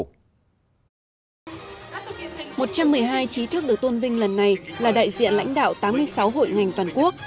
một trăm một mươi hai trí thức được tôn vinh lần này là đại diện lãnh đạo tám mươi sáu hội ngành toàn quốc